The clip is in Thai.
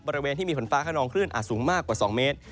บริเวณที่มีฝนฟ้าขนองคลื่นอาจสูงมากกว่า๒เมตร